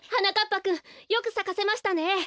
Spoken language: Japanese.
ぱくんよくさかせましたね。